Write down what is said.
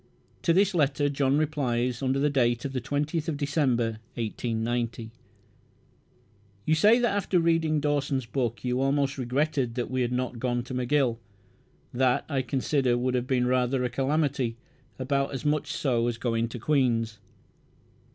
To this letter John replies under date 20th December, 1890: "You say that after reading Dawson's book you almost regretted that we had not gone to McGill. That, I consider, would have been rather a calamity, about as much so as going to Queen's."